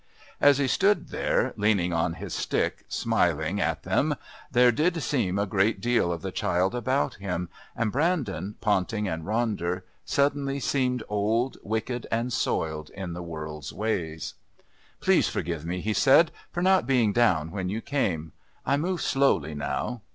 As he stood there, leaning on his stick, smiling at them, there did seem a great deal of the child about him, and Brandon, Ponting and Ronder suddenly seemed old, wicked and soiled in the world's ways. "Please forgive me," he said, "for not being down when you came. I move slowly now....